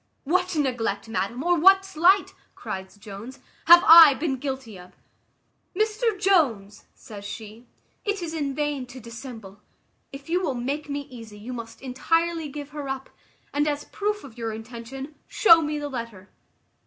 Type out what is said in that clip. "What neglect, madam, or what slight," cries Jones, "have I been guilty of?" "Mr Jones," said she, "it is in vain to dissemble; if you will make me easy, you must entirely give her up; and as a proof of your intention, show me the letter."